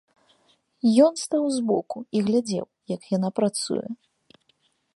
Ён стаў збоку і глядзеў, як яна працуе.